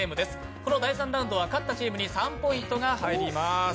この第３ラウンドは勝ったチームに３ポイントが入ります。